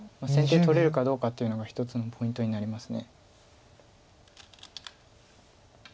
先手取れるかどうかっていうのが一つのポイントになります。